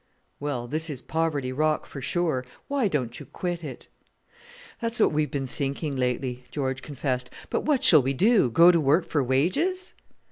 "Well, this is poverty rock, for sure; why don't you quit it?" "That's what we've been thinking lately," George confessed; "but what shall we do go to work for wages?"